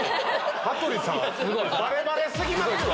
羽鳥さんバレバレ過ぎますよ！